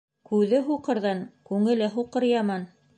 Күҙе һуҡырҙан күңеле һуҡыр яман.